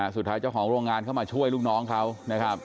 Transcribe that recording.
นี่สุดท้ายจ้าของโรงงานเขามาช่วยลูกน้องเขา